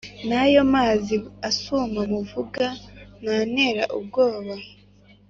nayo m’amazi asuma muvuga ntantera ubwoba